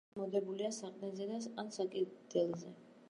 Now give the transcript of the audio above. სხეულის წონა მოდებულია საყრდენზე ან საკიდელზე